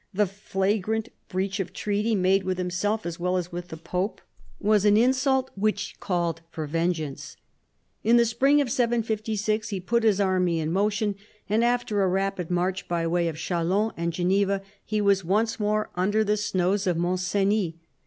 The flagrant breach of the treaty made with himself, as well as with the pope, was an insult which called for vengeance. In the spring of 756 he put his army in motion, and after a rapid march by way of Chalons and Geneva he was once more under the snows of Mont Cenis.